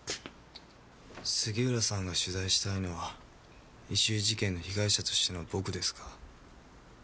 杉浦さんが取材したいのは異臭事件の被害者としての僕ですか？